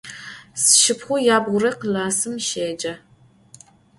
Sşşıpxhu yabğure klassım şêce.